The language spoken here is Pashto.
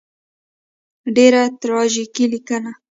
ډېره تراژیکه لیکنه.